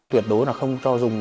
tuyệt đối là không cho dùng